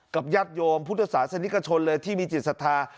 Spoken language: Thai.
ญาติโยมพุทธศาสนิกชนเลยที่มีจิตศรัทธา